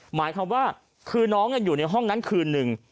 หมายความว่าคือน้องอยู่ในห้องนั้นคืนหนึ่ง